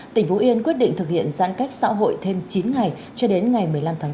tỉnh phú yên quyết định thực hiện giãn cách xã hội thêm chín ngày cho đến ngày một mươi năm tháng bốn